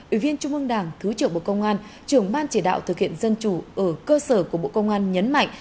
ủy viên trung ương đảng thứ trưởng bộ công an trưởng ban chỉ đạo thực hiện dân chủ ở cơ sở của bộ công an nhấn mạnh